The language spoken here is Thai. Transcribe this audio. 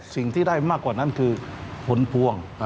สิ่งที่ได้มากกว่านั้นคือผลพวง